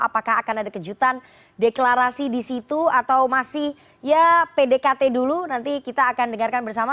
apakah akan ada kejutan deklarasi di situ atau masih ya pdkt dulu nanti kita akan dengarkan bersama